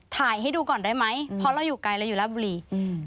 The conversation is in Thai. ถ่ายให้ดูก่อนได้ไหมเพราะเราอยู่ไกลเราอยู่ราชบุรีอืม